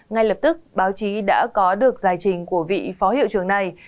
ngay lập tức báo chí đã có được giải trình của vị phó hiệu trường này